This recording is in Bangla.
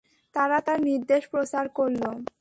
তারা তাঁর নির্দেশ প্রচার করল।